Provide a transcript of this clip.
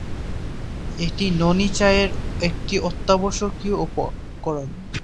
এটি ননী চায়ের একটি অত্যাবশ্যকীয় উপকরণ।